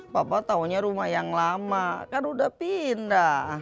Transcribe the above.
papa taunya rumah yang lama kan udah pindah